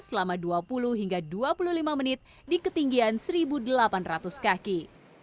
selama dua puluh hingga dua puluh lima menit di ketinggian satu delapan ratus kaki